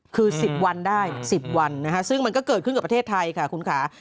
คือ๑๐วันได้๑๐วันซึ่งมันก็เกิดขึ้นกับประเทศไทยค่ะคุณค่ะ